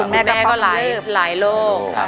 แม่ก็หลายโรค